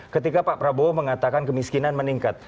ketika pak prabowo mengatakan kemiskinan meningkat